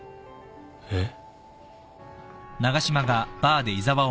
えっ？